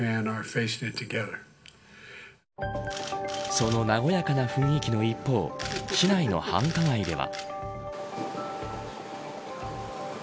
その和やかな雰囲気の一方市内の繁華街では。